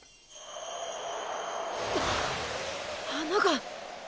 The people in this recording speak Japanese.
あっ花が！